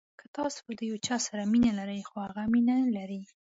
که تاسو د یو چا سره مینه لرئ خو هغه مینه نلري.